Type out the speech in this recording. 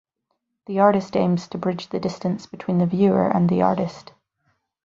The artist aims to bridge the distance between the viewer and the artist.